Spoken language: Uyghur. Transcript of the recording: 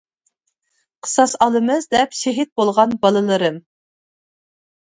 قىساس ئالىمىز دەپ شېھىت بولغان بالىلىرىم!